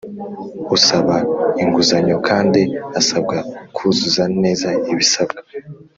Usaba inguzanyo kandi asabwa kuzuza neza ibisabwa